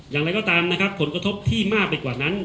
อย่างไรก็ตามผลกระทบที่มากกว่านั้น